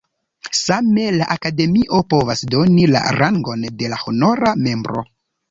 Same, la Akademio povas doni la rangon de honora membro.